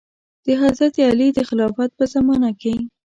د حضرت علي د خلافت په زمانه کې.